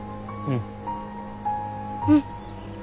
うん。